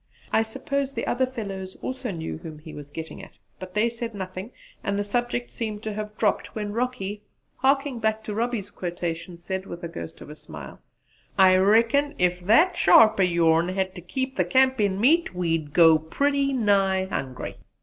I suppose the other fellows also knew whom he was getting at, but they said nothing; and the subject seemed to have dropped, when Rocky, harking back to Robbie's quotation, said, with a ghost of a smile: "I reckon ef that sharp o' your'n hed ter keep the camp in meat we'd go pretty nigh hungry."